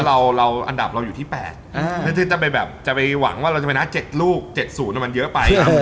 แล้วอันดับเราอยู่ที่แปดจะไปหวังว่าเราจะแนะเจ็ดลูกเจ็ดศูนย์มันเยอะไป